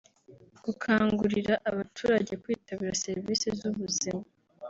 gukangurira abaturage kwitabira serivisi z’ubuzima